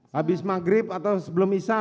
habis maghrib atau sebelum misa